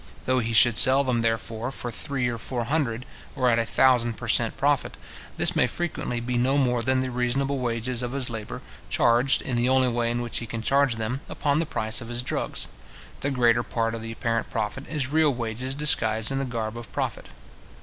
Though he should sell them, therefore, for three or four hundred, or at a thousand per cent. profit, this may frequently be no more than the reasonable wages of his labour, charged, in the only way in which he can charge them, upon the price of his drugs. The greater part of the apparent profit is real wages disguised in the garb of profit.